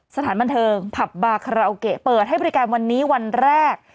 สถานบันเทิงผับบาคาราโอเกะเปิดให้บริการวันนี้วันแรก